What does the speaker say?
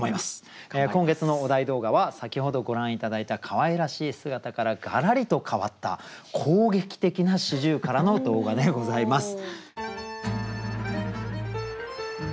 今月のお題動画は先ほどご覧頂いたかわいらしい姿からがらりと変わった攻撃的な四十雀の動画でございます。